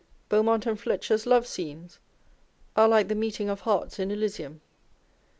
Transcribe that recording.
Beaumont and Fletcher's love scenes are like the meeting of hearts in Elysium.